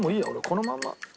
このまんま。